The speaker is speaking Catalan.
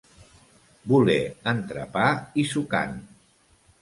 Voler entrepà i sucant.